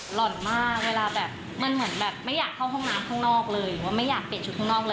หล่อนมากเวลาแบบมันเหมือนแบบไม่อยากเข้าห้องน้ำข้างนอกเลยหรือว่าไม่อยากเปลี่ยนชุดข้างนอกเลย